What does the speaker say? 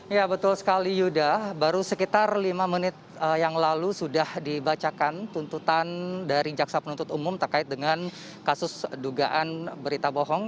ya betul sekali yuda baru sekitar lima menit yang lalu sudah dibacakan tuntutan dari jaksa penuntut umum terkait dengan kasus dugaan berita bohong